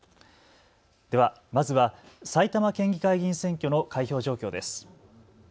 ではまずは埼玉県議会議員選挙の開票状況です。